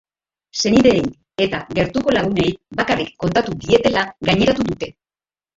Senideei eta gertuko lagunei bakarrik kontatu dietela gaineratu dute.